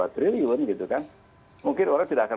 dua triliun mungkin orang tidak akan